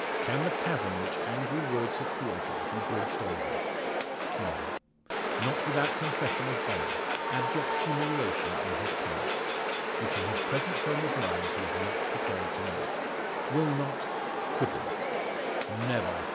Can the chasm which angry words have created be bridged over? No. Not without confession of error abject humiliation on his part which in his present frame of mind he is not prepared to make will not could not. "Never!"